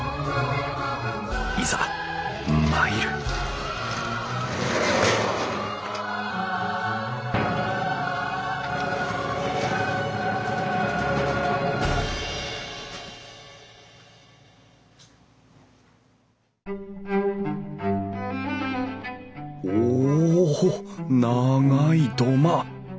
いざ参るおお長い土間。